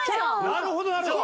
なるほどなるほど。